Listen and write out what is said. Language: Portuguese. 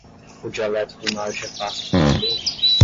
O dialeto do norte é fácil de entender.